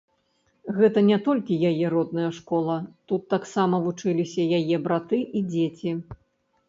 Гэта не толькі яе родная школа, тут таксама вучыліся яе браты і дзеці.